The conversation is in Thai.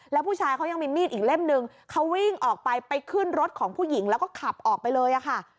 แล้วผู้ชายเขายังมีมีดอีกเล่มนึงเขาวิ่งออกไปไปขึ้นรถของผู้หญิงแล้วก็ขับออกไปเลยค่ะ